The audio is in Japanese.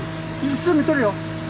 すぐとるよ。